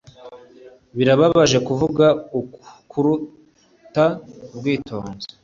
Birababaje kuvuga kuruta ubwitonzi